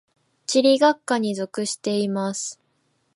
地理学科に属しています。